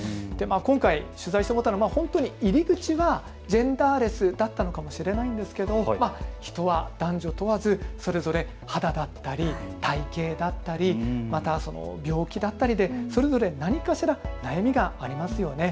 今回、取材して本当に入り口はジェンダーレスだったのかもしれないですが人は男女問わずそれぞれ肌だったり体型だったりまた病気だったりでそれぞれ何かしら悩みがありますよね。